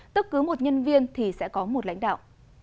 tức cứ một nhân viên thì sẽ có một lãnh đạo